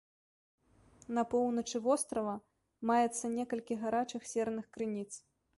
На поўначы вострава маецца некалькі гарачых серных крыніц.